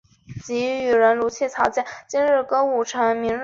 她有个自小感情就很好的表弟